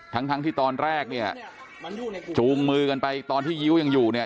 ทั้งทั้งที่ตอนแรกเนี่ยจูงมือกันไปตอนที่ยิ้วยังอยู่เนี่ย